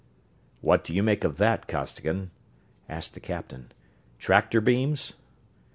"What do you make of that, Costigan?" asked the captain. "Tractor beams?"